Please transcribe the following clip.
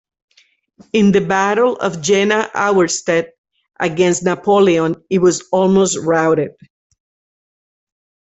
In the battle of Jena-Auerstedt against Napoleon it was almost routed.